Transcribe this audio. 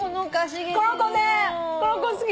この子好き。